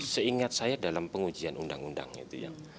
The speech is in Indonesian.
seingat saya dalam pengujian undang undang itu ya